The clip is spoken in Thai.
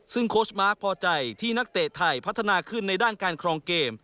ซึ่งโค้ชมาร์คพอใจที่นักเตะไทยพัฒนาขึ้นในด้านการครองเกม